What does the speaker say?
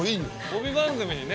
帯番組にね。